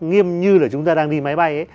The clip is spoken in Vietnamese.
nghiêm như là chúng ta đang đi máy bay